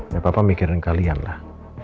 ya papa mikirin kalian lah